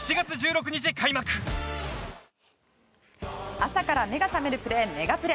朝から目が覚めるプレーメガプレ。